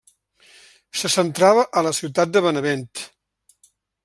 Se centrava a la ciutat de Benevent.